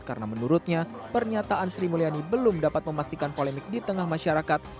karena menurutnya pernyataan sri mulyani belum dapat memastikan polemik di tengah masyarakat